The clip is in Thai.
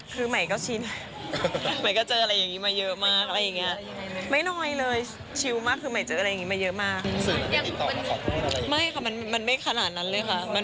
คือไหมก็ชินไหมก็เจออะไรเยอะมากอะไรอย่างเงี้ย